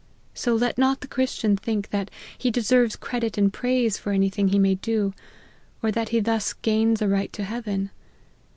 So let not the Christian think that he deserves credit and praise for any thing he may do, or that he thus gains a right to heaven.